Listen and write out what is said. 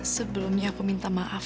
sebelumnya aku minta maaf